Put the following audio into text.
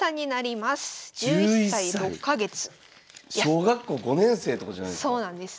小学校５年生とかじゃないですか？